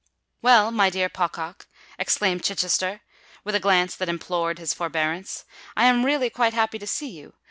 "Well, my dear Pocock," exclaimed Chichester, with a glance that implored his forbearance, "I am really quite happy to see you.